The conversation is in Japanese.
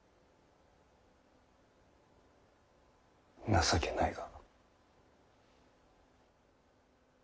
情けないが。